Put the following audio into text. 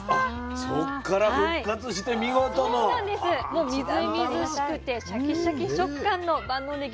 もうみずみずしくてシャキシャキ食感の万能ねぎ。